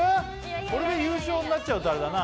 これで優勝になっちゃうとあれだな。